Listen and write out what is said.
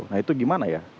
nah itu gimana ya